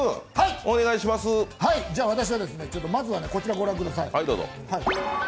私は、まずはこちら御覧ください。